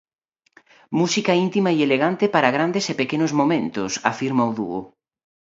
Música íntima e elegante para grandes e pequenos momentos, afirma o dúo.